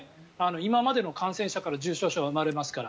今までの感染者から重症者は生まれますから。